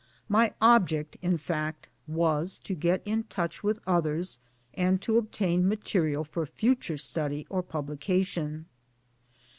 My object in fact was to get in touch with others and to obtain material for future study or publication.